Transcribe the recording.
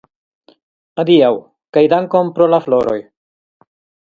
Adiaŭ, kaj dankon pro la floroj.